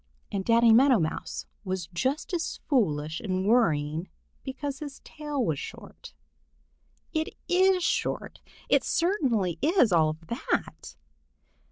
And Danny Meadow Mouse was just as foolish in worrying because his tail is short. It is short! It certainly is all of that!